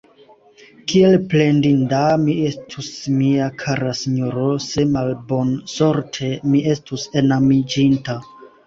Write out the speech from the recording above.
Kiel plendinda mi estus, mia kara sinjoro, se malbonsorte mi estus enamiĝinta!